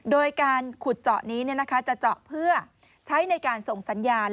โดยการขุดเจาะนี้จะเจาะเพื่อใช้ในการส่งสัญญาณ